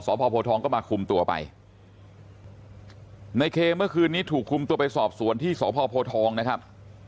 พ่อโพทองก็มาคุมตัวไปในเคเมื่อคืนนี้ถูกคุมตัวไปสอบสวนที่สพโพทองนะครับ